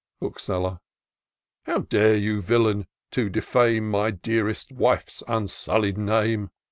Bookseller. " How dare you, villain, to defame My dearest \;nfe's unsullied name